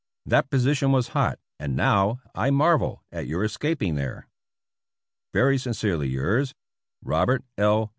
That position was hot, and now I marvel at your escaping there Very sincerely yours, Robert L.